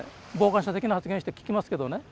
傍観者的な発言して聞きますけどね